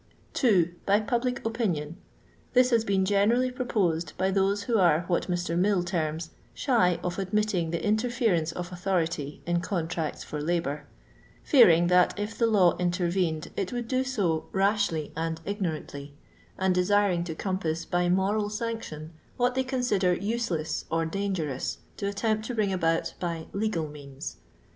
. By public opinion; tms has been senerally proposed by those who are what Mr. Hill terms "shy of admitting the inter ference of authority in contracts for labour," fearing that if the law intervened it woidd do so rashly and ignoiantly, and desiring to compass by fiunxU sanction what they consider useless or dangerous to attempt to bring about by teffal means.